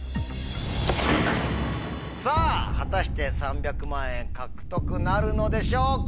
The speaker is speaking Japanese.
さぁ果たして３００万円獲得なるのでしょうか？